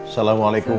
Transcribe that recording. terima kasih pak